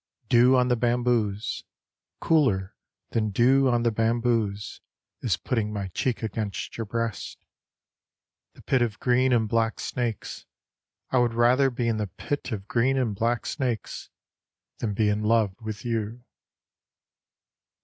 DEW on the bamboos, Cooler than dew on the bamboos Is putting my cheek against your breasts. The pit of green and black snakes, I would rather be in the pit of green and black snakes Than be in love with you.